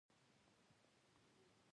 فعالان پر شتمنۍ مالیه او حداقل تنخوا غواړي.